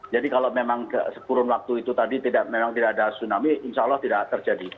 jadi kalau memang sekurang waktu itu tadi tidak memang tidak ada tsunami insya allah tidak terjadi